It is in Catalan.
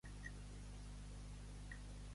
La zona índia de Mysore procedeix de Kali?